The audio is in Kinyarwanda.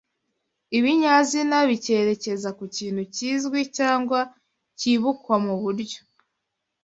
ibinyazina bikerekeza ku kintu kizwi cyangwa kibukwa mu buryo